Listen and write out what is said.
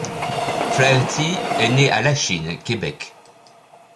Flaherty est né à Lachine, Québec.